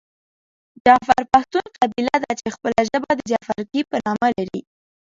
جعفر پښتون قبیله ده چې خپله ژبه د جعفرکي په نامه لري .